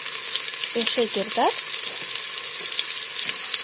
Эше кертат?